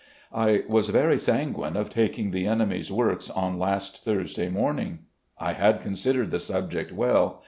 I was very sanguine of taking the enemy's works on last Thursday morning. I had considered the subject well.